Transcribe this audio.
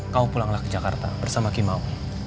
kau pulanglah ke jakarta bersama kimau